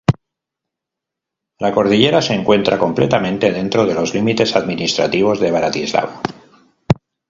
La cordillera se encuentra completamente dentro de los límites administrativos de Bratislava.